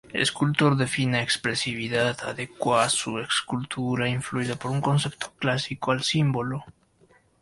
Escultor de fina expresividad, adecua su escultura, influida por un concepto clásico, al símbolo.